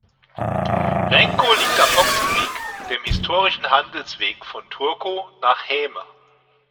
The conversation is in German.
Renko liegt am Ochsenweg, dem historischen Handelsweg von Turku nach Häme.